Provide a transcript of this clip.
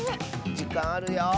じかんあるよ。